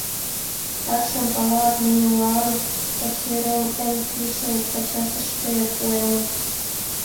Такшым пала: нунылан пачерым эн кӱшыл пачашыште пуэныт.